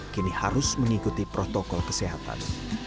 kini harus mengikuti protokol kesehatan